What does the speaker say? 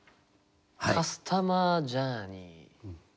カスタマージャーニー？